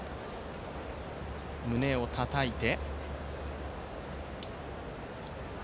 胸をたたいて。